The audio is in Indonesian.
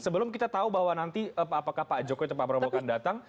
sebelum kita tahu bahwa nanti apakah pak jokowi atau pak prabowo akan datang